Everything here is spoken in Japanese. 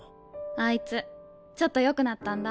あいつちょっとよくなったんだ。